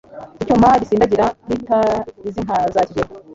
Icyatuma ngisindagira, Nkita izi nka za Kigeli,